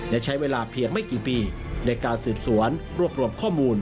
และใช้เวลาเพียงไม่กี่ปีในการสืบสวนรวบรวมข้อมูล